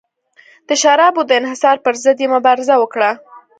د شرابو د انحصار پرضد یې مبارزه وکړه.